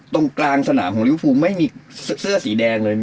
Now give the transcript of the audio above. ตรงกลางสนามของลิวฟูไม่มีเสื้อสีแดงเลย